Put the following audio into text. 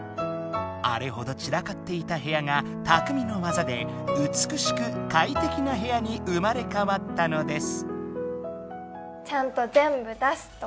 あれほど散らかっていた部屋がたくみのわざでうつくしくかいてきな部屋に生まれかわったのです。